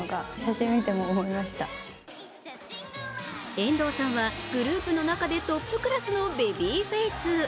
遠藤さんはグループの中でトップクラスのベビーフェイス。